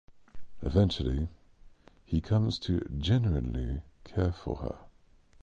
Eventually, he comes to genuinely care for her.